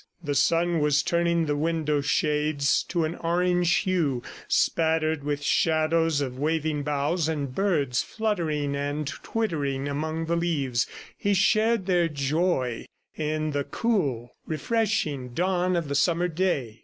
The sun was turning the window shades to an orange hue, spattered with shadows of waving boughs and birds fluttering and twittering among the leaves. He shared their joy in the cool refreshing dawn of the summer day.